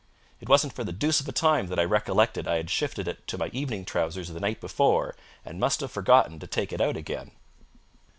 It wasn't for the deuce of a time that I recollected I had shifted it to my evening trousers the night before and must have forgotten to take it out again.